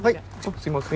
すいません。